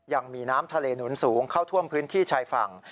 ยังมีน้ำทะเลหนุนสูงเข้าท่วมพื้นที่ชายฝั่ง